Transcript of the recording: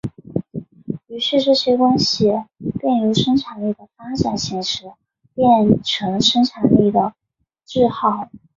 于是这些关系便由生产力的发展形式变成生产力的桎梏。